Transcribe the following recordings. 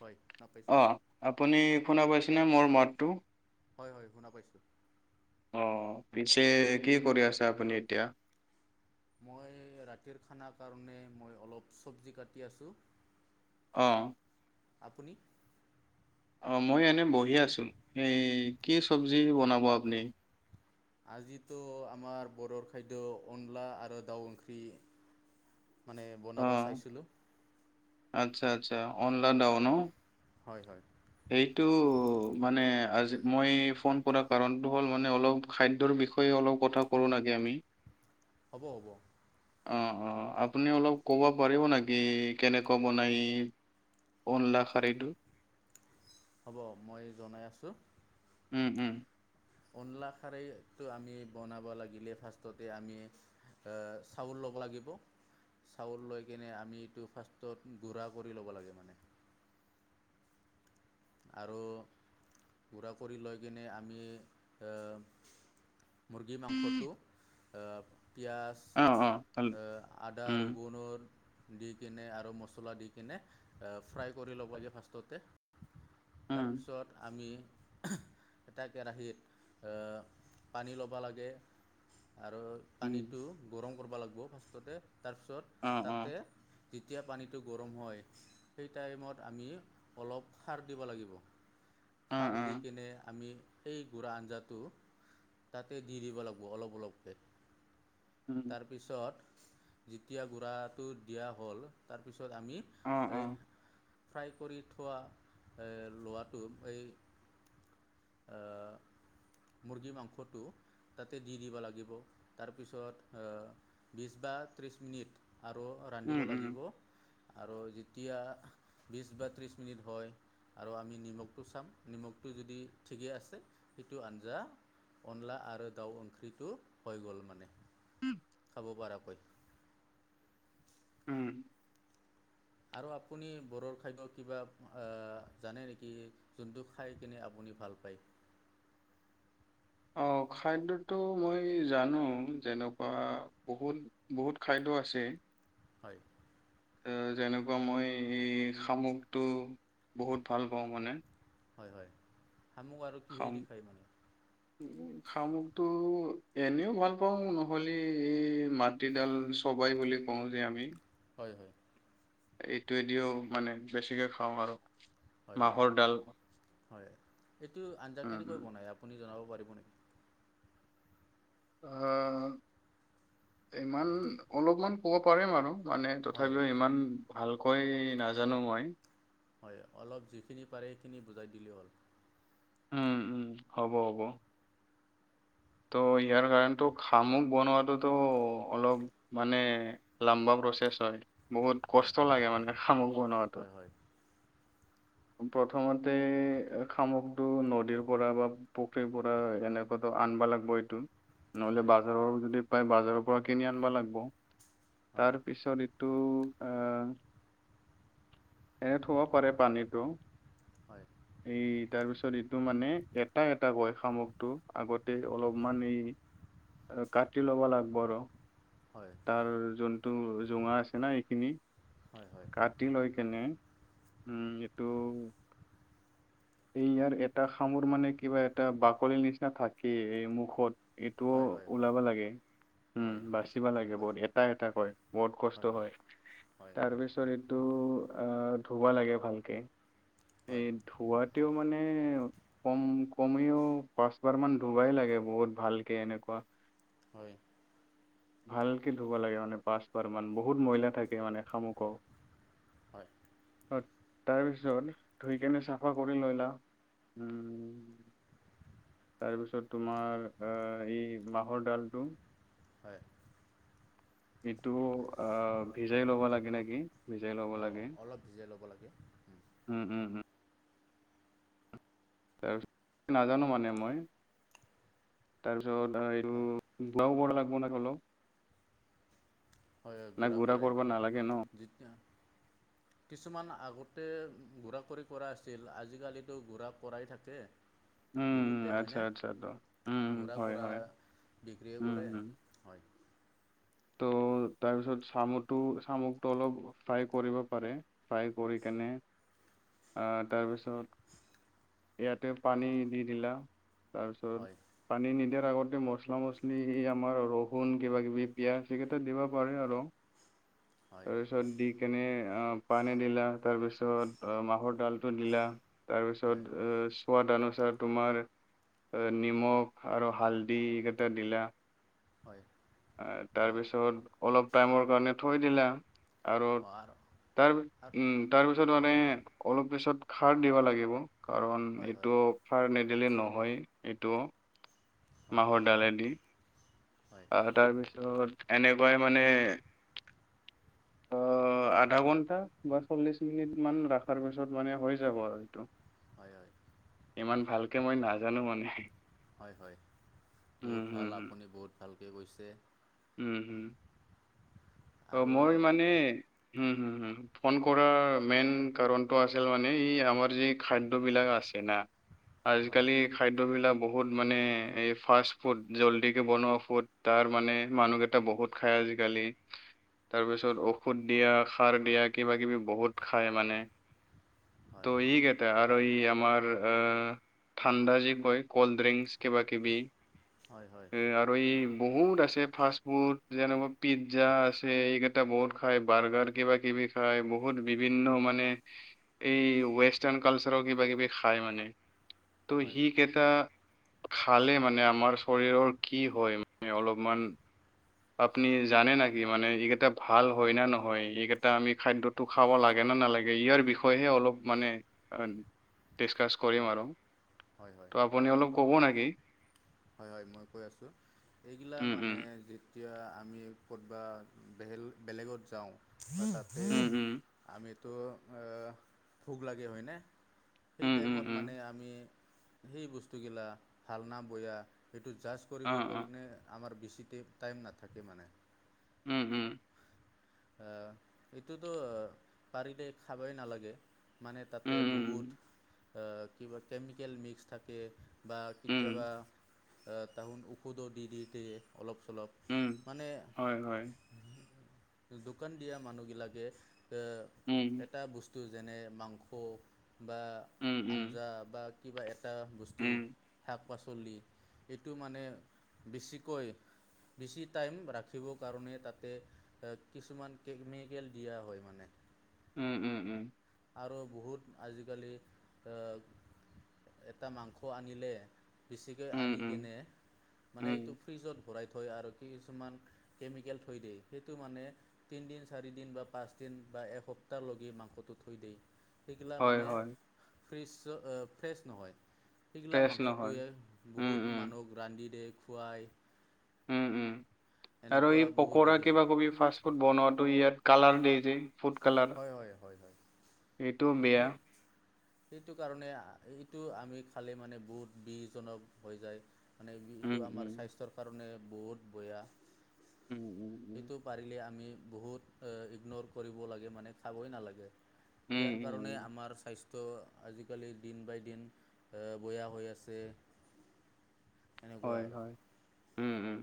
হয় শুনা পাইছোঁ অ আপুনি শুনা পাইছেনে মোৰ মাতটো। হয় হয় শুনা পাইছো। অ পিছে কি কৰি আছে আপুনি এতিয়া। মই ৰাতিৰ খানা কাৰণে মই অলপ চবজী কাটি আছো। অহ। আপুনি। অ মই এনেই বহি আছো এই কি চবজী বনাব আপুনি। আজিতো আমাৰ বৰৰ খাদ্য অনলা আৰু দাউ খি মানে অ বনাব চাইছিলো। আচ্ছা আচ্ছা অনলাডাউ ন। হয় হয়। সেইটো মানে আজি মই ফোন কৰা কাৰণতো হ'ল মানে অলপ খাদ্য। বিষয়ে অলপ কথা কলো না কি আমি। হ'ব হ'ব অঁ-অঁ আপুনি অলপ ক'ব পাৰিব নেকি কেনেকুৱা বনায়। অনলা খাৰইটো। হ'ব মই জনাই আছো। উম উম। অনলা খাৰই আমি বনাব লাগিলে ফাৰ্ষ্টতে আমি এ চাউল লগ লাগিব। চাউল লৈ কেনে আমি এইটো ফাৰ্ষ্টত গুড়া কৰি ল'ব লাগে মানে। আৰু গুড়া কৰি লৈ কিনে আমি মুৰ্গী মাংসটো আ পিঁয়াজ, অ অ আদা, উম ৰগুনৰ। দি কিনে আৰু মছলা দি কিনে ফ্ৰাই কৰি ল'ব লাগে ফাৰ্ষ্টতে। উম তাৰপিছত আমি। এটা কেৰাহীত এ পানী ল'ব লাগে। আৰু উম পানীটো গৰম কৰিব লাগিব ফাৰ্ষ্টতে তাৰপিছত অ অ তাতে যেতিয়া পানীটো গৰম হয় সেই টাইমত আমি অলপ। খাৰ দিব লাগিব অ খাৰ অ দি কিনে আমি। সেই গুড়া আঞ্জাটো তাতে দি দিব লাগিব অলপ অলপকে। উম, তাৰপিছত যেতিয়া গুড়াটো দিয়া হ'ল তাৰপিছত আমি অ', এই অ', ফ্ৰাই কৰি থোৱা লোৱাটো এই [inaudible] মুৰ্গী মাংসটো তাতে দি দিব লাগিব তাৰপিছত এ বিছবা ত্ৰিছ মিনিট আৰু ৰান্ধিব উম, উম, লাগিব আৰু যেতিয়া বিছ বা ত্ৰিছ মিনিট হয় আৰু আমি নিমখটো চাম নিমখটো যদি ঠিকে আছে সেইটো আঞ্জা অনলা আৰু দাউ অখিটো হৈ গ'ল মানে। [unintelligible] উম আৰু আপুনি বড়োৰ খাদ্য কিবা জানে নেকি যোনটো খাই কিনে আপুনি ভাল পায়। [inaudible] অঁ খাদ্যটো মই জানো যেনেকুৱা বহুত বহুত খাদ্য আছে হয় এ যেনেকুৱা মই এই শামুকটো বহুত ভাল পাওঁ মানে। হয় হয় শামুক আৰু শাম কিহেদি খায় মানে? শামুকটো এনেও ভাল পাওঁ নহ'লে এই মাটিডাল চব গৈ বুলি কওঁ যে আমি হয় হয়। এইটোৱেদিও মানে বেছিকে খাওঁ আৰু হয় হয় মাহৰ ডাল। হয় এইটো আঞ্জা উম, কেনেকৈ উম। বনায় আপুনি জনাব পাৰিব নেকি? আহ ইমান অলপমান কব পাৰিম আৰু। মানে হয় তথাপিও ইমান ভালকৈ নাজানো মই। হয় অলপ যিখিনি পাৰে সেইখিনি বুজাই দিলেই হ'ল। উম উম হ'ব হ'ব। ত' ইয়াৰ কাৰণে খামুক বনোৱটোতো অলপ মানে লম্বা প্ৰচেছ হয় বহুত হয় কষ্ট লাগে মানে শামুক বনোৱাটো। হয় হয় প্ৰথমতে খামুকটো নদীৰ পৰা বা পুখুৰীৰ পৰা এনেকুৱা ধৰ আনবালাক এইটো। নহলে হয় বাজাৰৰ যদি পাই বাজাৰৰ পৰা কিনি আনিব লাগিব হয় তাৰ পিছত এই টো আহ এনে থব পাৰে পানীটো। হয় এই তাৰ পিছত এইটো মানে এটা এটা কয় শামুকটো আগতে অলপমান এই কাটি ল'বা লাগিব আৰু। হয় তাৰ জন্তু জোঙা আছে না এইখিনি হয় হয় কাটি লৈ কেনে উম এইটো। এই ইয়াৰ এটা খামোৰ মানে কিবা এটা বাকলিৰ নিচিনা থাকেই এই মুখত এইটোও হয় হয় হয় ওলাব লাগে উম হয় বাচিবা গম লাগে পাইছোঁ বহুত এটা এটা কয় বহুত কষ্ট হয়। হয় তাৰপিছত এইটো আ ধুৱা লাগে ভালকে। হয় এই ধোৱাতেও মানে কম কমেও পাঁচবাৰ মান ধুবাই লাগে বহুত ভালকে এনেকুৱা। হয়। ভালকে ধুব লাগে মানে পাঁচ বাৰ মান বহুত ময়লা থাকে মানে শামুক। হয় অ তাৰ পিছত ধুই কেনে চাফা কৰি ললা। উম তাৰপিছত তোমাৰ এই মাহৰ ডালটো হয় এইটো আ ভিজাই ল'ব লাগে নেকি ভিজাই ল'ব অঁ লাগে। অলপ ভিজাই ল'ব লাগে উম উম উম। তাপিছত নাজানো মানে মই তা তাৰপিছটো হয় ধো লাগিব ন অলপ হয় নাই গুড়া ঘোৰা কৰে কৰিব নালাগে ন। যেতিয়া কিছুমান আগতে ঘুৰা কৰি কৰা আছিল আজিকালিতো ঘুৰা কৰাই থাকে। উম বহুতে আচ্ছা হয়নে আচ্ছা উ হয় হয়। বিক্ৰীও উম, কৰে উম। হয় ত' তাৰপিছত চামুটো চামুকটো অলপ ফ্ৰাই কৰিব পাৰে ফ্ৰাই কৰি কেনে আ তাৰপিছত ইয়াতে পানী দি দিলা তাৰপিছত হয় পানী নিদিয়াৰ আগতে মছলা মছলি আমাৰ ৰহুণ কিবাকিবি। পিয়াঁজ সেইকেইটা দিবা পাৰে আৰু হয় তাৰ পিছত দি কেনে পানী দিলা তাৰপিছত মাহৰ ডালটো দিলা হয় তাৰপিছত। সোৱাদ অনুসাৰ তোমাৰ নিমখ আৰু হালধি এইকেইটা দিলা হয় অঁ তাৰপিছত অলপ টাইমৰ কাৰণে থৈ দিলা আৰু তাৰ আৰু তাৰপিছত মানে অলপ পিছত খাৰ দিব লাগিব। কাৰণ হয় হয় এইটো অফাৰ নিদিলে নহয় এইটো। হয় মাহৰ ডালেদি। হয় আ তাৰপিছত এনেকুৱাই মানে আ অ আধা ঘন্টা বা চল্লিশ মিনিট মান ৰখাৰ পিছত মানে হৈ যাব আৰু এইটো হয় হয় ইমান ভালকে মই নাজানো মানে। হয় হয় বহুত উম হম ভাল হম আপুনি বহুত ভালকৈ কৈছে উম হম ত আৰু মই মানে ফোন কৰাৰ মেইন কাৰণটো আছিল মানে ই আমাৰ যি খাদ্যবিলাক আছে। হয় আজিকালি খাদ্য বিলাক। বহুত মানে এই ফাষ্ট ফুড জল্ডিকে বনোৱা ফুড তাৰ মানে মানুহকেইটা বহুত খাই আজিকালি তাৰপিছত ঔষধ দিয়া, সাৰ দিয়া, কিবা কিবি বহুত খায় মানে। হয় [unintelligible] আৰু এই আমাৰ আহ ঠাণ্ডা যি কয় কল্ড ড্ৰিংকচ কিবা কিবি। হয় হয় এ আৰু এই বহুত আছে ফাষ্ট ফুড যেনেকুৱা পিজ্জা আছে এইকেইটা বহুত খাই বাৰ্গাৰ কিবা কিবি খাই বহুত বিভিন্ন মানে এই ৱেষ্টাৰ্ণ কালচাৰৰ কিবা কিবি খাই মানে। ত' হয় সি কেইটা খালে মানে আমাৰ শৰীৰৰ কি হয় মানে অলপমান আপুনি জানে নেকি মানে এইকেইটা ভাল হয় না নহয় এইকেইটা আমি খাদ্যটো খাব লাগে নালগে ইয়াৰ বিষয়ে অলপ মানে ডিছকাছ কৰিম হয় আৰু হয় হয় তো আপুনি অলপ ক'ব নেকি? হয় হয় মই কৈ আছো এইগিলা উম উম মানে। এতিয়া আমি ক'বা বেল বেলেগত যাওঁ ত উম উম আমিতো অ ভোক লাগে হয়নে। সেই উম উম টাইমত উম মানে আমি সেই বস্তুগিলা ভালনা বয়া সেইটো জাষ্ট অ কৰিবৰ অ কাৰণে আমাৰ বেছি ট টাইম নাথাকে মানে উম উম আহ এইটোতো পাৰিল খাবই নালাগে। মানে উম, তাতে উম, বহুত কিবা কেমিকেল মিক্স থাকে। বা উম, কেতিয়াবা তাহোন ঔষধো দি দি দিয়ে। অলপ চলপ উম, মানে। হয়, হয়, দোকান দিয়া মানুহবিলাকে এ উম, এটা বস্তু যেনে মাংস বা উম, উম, আঞ্জা বা কিবা এটা বস্তু উম, শাক। শাক পাচলি এইটো মানে বেছিকৈ বেছি টাইম ৰাখিবৰ কাৰণে তাতে কিছুমান কেমিকেল দিয়া হয় মানে। উম, উম, উম। আৰু বহুত আজিকালি, আহ এটা মাংস আনিলে বেছিকৈ উম, আনি উম, কিনে, মানে উম, এইটো ফ্ৰ্ৰীজত ভৰাই থৈ আৰু কিছুমান কেমিকেল থই দিয়ে সেইটো মানে, তিনিদিন চাৰি দিন বা পাঁচদিন বা এসপ্তাহলৈকে মাংসটো থৈ দি সেইগিলা হয়, মানে হয়, ফ্ৰছ-ফ্ৰেছ নহয়। সেইগিলা ফ্ৰেছ নহয়, মাংসটোৱে, উম, বহুত উম, মানুহক ৰান্ধি দিয়ে খুৱায়। উম, উম আৰু এই বহুত পকৰা দেখিছোঁ কিবা কবি ফাষ্টফুড বনোৱাটো ইয়াত কালাৰ দিয়ে যে ফুড কালাৰ, হয় হয় হয় হয় সেইটো বেয়া। সেই সেইটো কাৰণে এইটো আমি খালে মানে বহুত বিহজনক হৈ যায়। মানে এইটো উম, আমাৰ উম, স্বাস্থ্যৰ কাৰণে বহুত বয়া। উম, উম, উম, সেইটো পাৰিলে আমি বহুত আহ ইগনৰ কৰিব লাগে। মানে খাবই নালাগে, উম, ইয়াৰ উম, কাৰণে উম, আমাৰ স্বাস্থ ত' আজিকালি দিন বাই দিন বয়া হৈ আছে। এনেকুৱা হয়, আৰু হয়, উম, উম।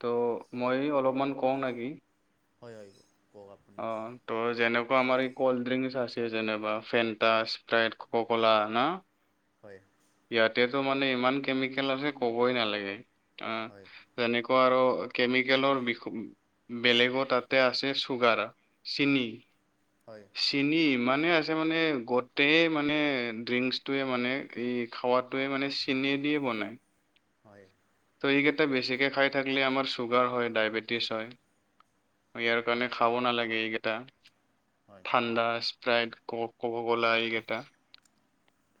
ত' মই অলপমান কওঁ নেকি? হয় হয়। কওক আপুনি অ', ত' যেনে আমাৰ এই ক'ল্ড ড্ৰিংচ আছে যেনবা ফেণ্টা, স্প্ৰাইট, কক'কলা না? হয়। ইয়াতেটো মানে ইমান কেমিকেল আছে কবই নালাগে অ', হয় যেনে আৰু কেমিকেলৰ বিষ বেলেগো তাতে আছে চুগাৰ, চিনি। হয় চিনি ইমানে আছে মানে গোটেই মানে ড্ৰিংকচটোৱে মানে এই খাৱাটোয়ে মানে চি নিদিয়ে বনাই। হয়। ত' এইকেইটা বেছিকৈ খাই থাকিলে আমাৰ চুগাৰ হয় ডায়বেটিছ হয়। ইয়াৰ কাৰণে হয় হয় খাব নালাগে এইকেইটা হয় ঠাণ্ডা। ফ্ৰাইড ক-ক- কলা এইকেইটা।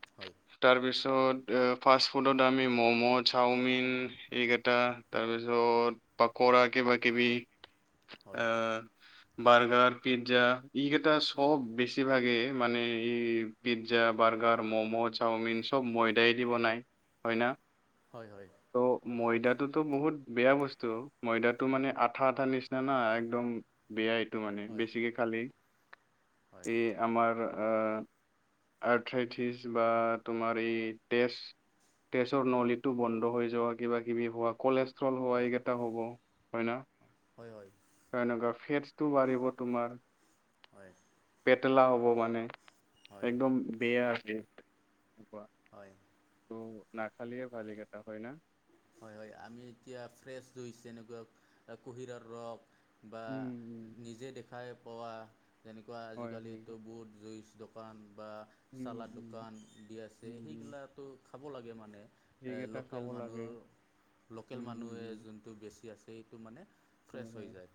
হয় হয় হয় তাৰপিছত এ- ফাষ্ট-ফুডত আমি মম', চামিন এই কেইটা তাৰপিছত পাকৰা। কিবাকিবি হয় আহ। বাৰ্গাৰ, পিজ্জা ই কটা সব বেছিভাগে মানে ই পিজ্জা, বাৰ্গাৰ- ম'ম', চাওমিন চব ময়দাইদি বনাই হয় ন? হয় হয় হয় ত' ময়দাত এইটো টো বহুত বেয়া বস্তু, ময়দাটো মানে আঠা আঠা নিচিনা না একদম বেয়াই। ত' মানে বেছিকে খালি হয় এই আমাৰ আহ আঠাইত ফ্ৰিছ বা তোমাৰ এই টেষ্ট তেজৰ নলীটো বন্ধ হৈ যোৱা কিবা কিবি হোৱা কলেজ ট্ৰল এইকেইটা হ'ব, হয় না? তেনেকুৱা ফেটছটো বাঢ়িব তোমাৰ। পেটেলা হ'ব মানে হয় একদম বেয়া। আছে হয়। না খালে ভালি কটা হয় ন। হয় -হয়, আমি এতিয়া ফ্ৰেছ জুইছ যেনেকুৱা কুঁহিয়াৰ ৰস। বা উম উম নিজে দেখাই পোৱা যেনেকুৱা হয় হয় আজিকালিতটো বহুত জুইছ। দোকান বা উম চালাাদ উম দোকান দি আছে উম উম সেইগিলাটো খাব লাগে মানে। এ সেইকেইটা খাব লোকেল লাগে মানুহৰ- লোকেল উম মানুহে উম যোনটো বেছি আছে, সেইটো মানে ফ্ৰেছ হৈ উম যায়।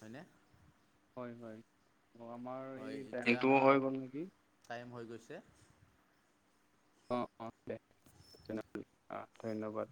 হয়নে? হয় -হয়, আমাৰ হয় এই এতিয়া বেটো আমাৰ হৈ গ'ল নেকি। টাইম [unintelligible] অ অ দে, অ ধন্যবাদ।